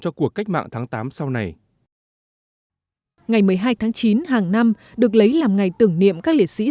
cho cuộc cách mạng tháng tám sau này ngày một mươi hai tháng chín hàng năm được lấy làm ngày tưởng niệm các liệt sĩ